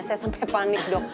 saya sampai panik dok